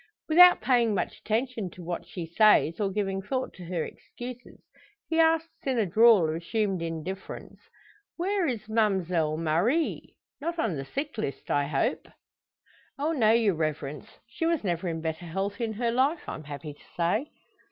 Without paying much attention to what she says, or giving thought to her excuses, he asks in a drawl of assumed indifference, "Where is Ma'mselle Marie? Not on the sick list, I hope?" "Oh no, your reverence. She was never in better health in her life, I'm happy to say."